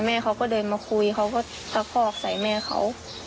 แม่เขาก็เดินมาคุยเขาก็ตะคอกใส่แม่เขา